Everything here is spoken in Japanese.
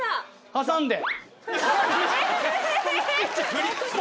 挟んで。